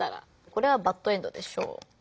これはバッドエンドでしょう。